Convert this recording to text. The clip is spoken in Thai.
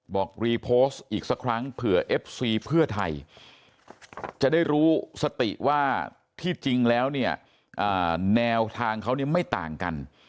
บอกรีโพสต์อีกสักครั้งเผื่อเอฟซีเพื่อไทยจะได้รู้สติว่าที่จริงแล้วเนี่ยแนวทางเขาเนี่ยไม่ต่างกัน